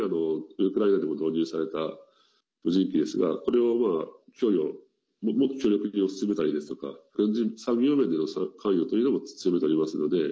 ウクライナでも導入された無人機ですがこれを供与、もっと強力に推し進めたりですとか軍事産業面での関与というのも強めておりますので。